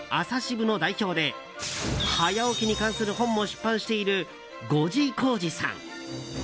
朝渋の代表で早起きに関する本も出版している５時こーじさん。